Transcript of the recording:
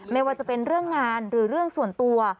ไม่ว่าจะเป็นเรื่องงานหรือเรื่องส่วนตัว